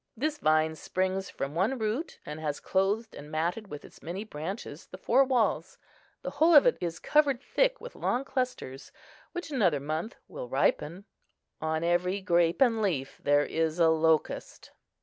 This vine springs from one root, and has clothed and matted with its many branches the four walls; the whole of it is covered thick with long clusters, which another month will ripen:—on every grape and leaf there is a locust.